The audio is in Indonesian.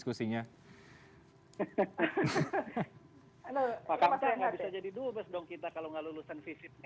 habis ini pasti pak bobi minta jadi dubes kan